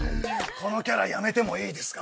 このキャラやめてもいいですか？